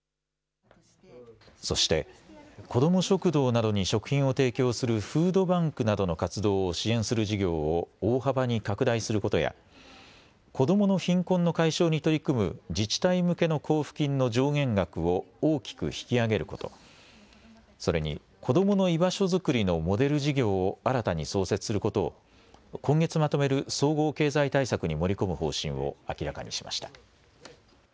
そして子ども食堂などに食品を提供するフードバンクなどの活動を支援する事業を大幅に拡大することや子どもの貧困の解消に取り組む自治体向けの交付金の上限額を大きく引き上げること、それに子どもの居場所作りのモデル事業を新たに創設することを今月まとめる総合経済対策に盛り込む方針を明らかにしました。